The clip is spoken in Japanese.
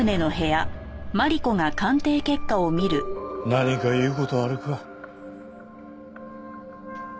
何か言う事はあるか？